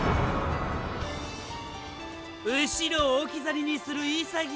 後ろを置き去りにする潔さ！